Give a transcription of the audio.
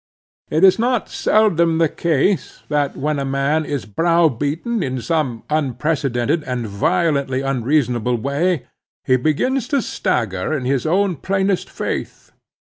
It is not seldom the case that when a man is browbeaten in some unprecedented and violently unreasonable way, he begins to stagger in his own plainest faith.